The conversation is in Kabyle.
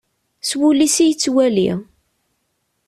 S wul-is i yettwali.